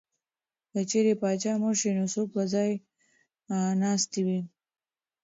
که چېرې پاچا مړ شي نو څوک به ځای ناستی وي؟